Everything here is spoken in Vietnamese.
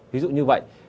ví dụ như vậy